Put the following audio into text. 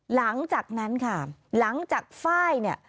หลังจากนั้นค่ะหลังจากไฟล์เนี่ย